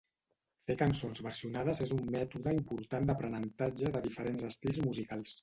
Fer cançons versionades és un mètode important d'aprenentatge de diferents estils musicals.